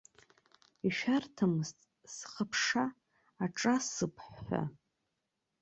Ишәарҭамызт сыхԥша аҿасып ҳәа.